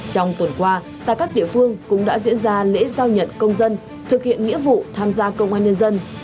trong tuần qua tại các địa phương cũng đã diễn ra lễ giao nhận công dân thực hiện nghĩa vụ tham gia công an nhân dân